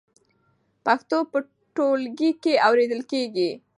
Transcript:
پښتو په ټولګي کې اورېدل کېږي.